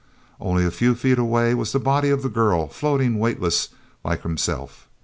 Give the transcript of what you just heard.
Only a few feet away was the body of the girl floating weightless like himself.